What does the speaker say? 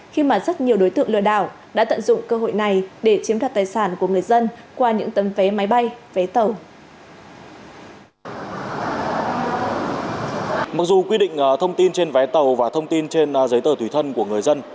khi mà rất nhiều đối tượng lừa đảo đã tận dụng cơ hội này để chiếm đặt tài sản của người dân